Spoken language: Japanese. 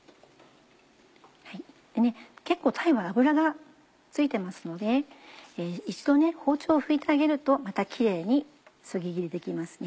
結構鯛は脂がついてますので一度包丁を拭いてあげるとまたキレイにそぎ切りできますね。